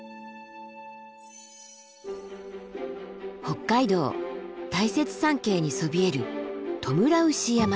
北海道大雪山系にそびえるトムラウシ山。